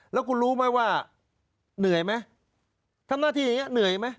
แล้วคุณรู้ไหมว่าเหนื่อยไหมทำหน้าที่อย่างนี้เหนื่อยไหม